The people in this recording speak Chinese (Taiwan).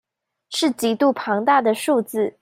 是極度龐大的數字